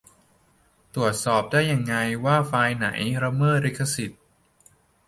ตรวจสอบได้ยังไง ว่า ไฟล์ไหนละเมิดลิขสิทธิ์